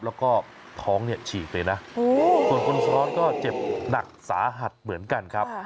แล้วก็ท้องเนี่ยฉีกเลยนะใครที่ก็จะเหร่าหนักสาหัสเหมือนกันนะครับ